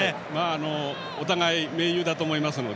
お互い、盟友だと思いますので。